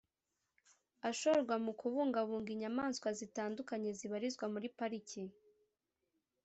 ashorwa mu kubungabunga inyamaswa zitandukanye zibarizwa muri pariki